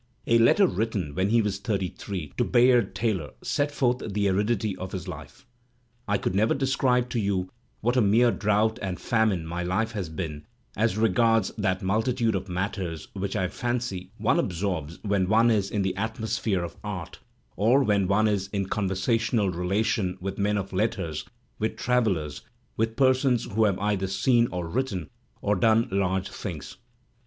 A letter written when he was thirty three to Bayard Taylor sets forth the aridity of his life. "I could never describe to you what a mere drought and famine my life has been as regards that multitude of matters which I tsjicy one absorbs when one is in an atmosphere of art, or when one is in conv^'sational relation with men of letters, with travellers, with persons who have either seen, or written, or done large things.